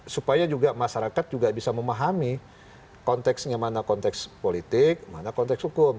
supaya juga masyarakat juga bisa memahami konteksnya mana konteks politik mana konteks hukum